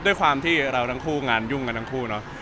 ด้วยความที่เราทั้งคู่งานยุ่งกันทั้งคู่เนาะ